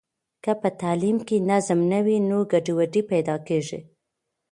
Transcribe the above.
که په تعلیم کې نظم نه وي نو ګډوډي پیدا کېږي.